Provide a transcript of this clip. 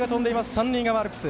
三塁側アルプス。